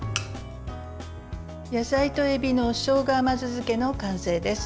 野菜とえびのしょうが甘酢漬けの完成です。